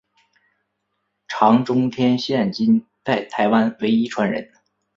常中天现今在台湾唯一传人。